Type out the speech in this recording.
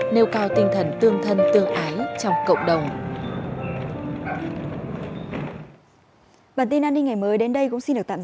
nêu cao tinh thần tương thân tương ái trong cộng đồng